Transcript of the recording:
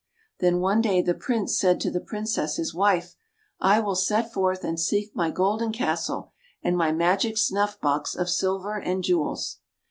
Then one day the Prince said to the Princess, his wife, " I will set forth and seek my golden castle, and my magic snuff box of silver and jewels."